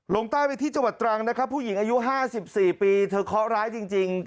ลงใต้ไปที่จังหวัดตรังนะครับผู้หญิงอายุ๕๔ปีเธอเคาะร้ายจริง